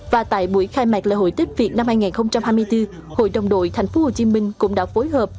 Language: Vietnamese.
và tại buổi khai mạc lễ hội tết việt năm hai nghìn hai mươi bốn hội đồng đội tp hcm cũng đã phối hợp